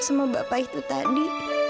sama bapak itu tadi